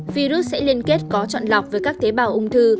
virus sẽ liên kết có chọn lọc với các tế bào ung thư